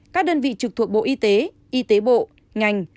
các đơn vị trực thuộc bộ y tế y tế bộ ngành